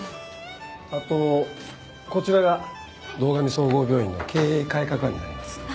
あとこちらが堂上総合病院の経営改革案になります。